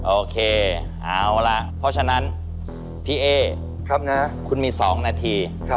โอเคเอาละเพราะฉะนั้นพี่เอ๊คุณมี๒นาที